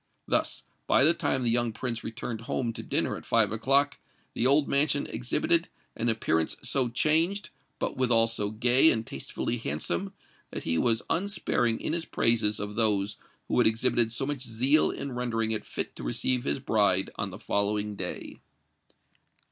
Thus, by the time the young Prince returned home to dinner at five o'clock, the old mansion exhibited an appearance so changed, but withal so gay and tastefully handsome, that he was unsparing in his praises of those who had exhibited so much zeal in rendering it fit to receive his bride on the following day.